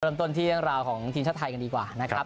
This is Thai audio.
เริ่มต้นที่เรื่องราวของทีมชาติไทยกันดีกว่านะครับ